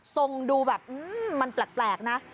ทรงดูแบบมันแปลกนะ